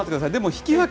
引き分け。